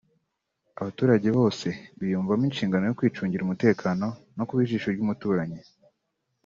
abaturage bose biyumvamo inshingano yo kwicungira umutekano no kuba ijisho ry’umuturanyi